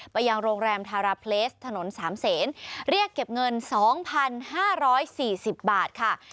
ไปยังโรงแรมทาราเพลสถนนสามเศสเรียกเก็บเงินสองพันห้าร้อยสี่สิบบาทค่ะ